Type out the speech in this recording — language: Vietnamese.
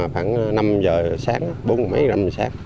khoảng năm giờ sáng bốn mấy giờ sáng